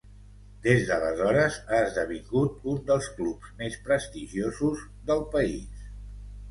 Des d'aleshores ha esdevingut un dels clubs més prestigiosos del país.